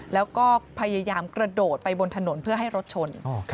แล้วก็พยายามกระโดดไปบนถนนเพื่อให้รถชน